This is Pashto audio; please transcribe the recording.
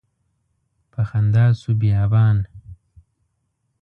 په خندا شو بیابان